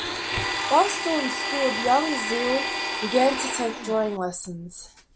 While still in school, the young Zille began to take drawing lessons.